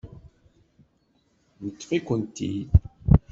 Neṭṭef-ikent-id.